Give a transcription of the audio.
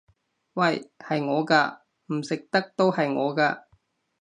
喂！係我㗎！唔食得都係我㗎！